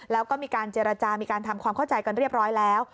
แล้วก็มีการเจรจามีการทำความเข้าใจกันเรียบร้อยแล้ว